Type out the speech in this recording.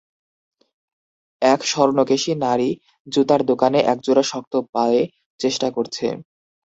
এক স্বর্ণকেশী নারী জুতার দোকানে একজোড়া শক্ত পায়ে চেষ্টা করছে।